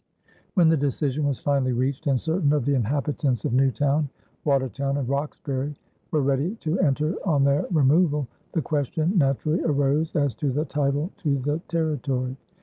When the decision was finally reached and certain of the inhabitants of Newtown, Watertown, and Roxbury were ready to enter on their removal, the question naturally arose as to the title to the territory.